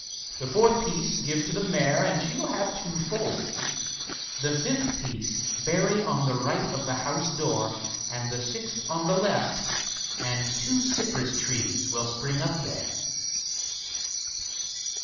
The fourth piece give to the mare, and she will have two foals. The fifth piece bury on the right of the house door, and the sixth on the left, and two cypress trees will spring up there.